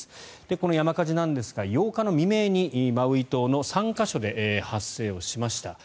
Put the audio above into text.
この山火事なんですが８日未明にマウイ島の３か所で発生しました。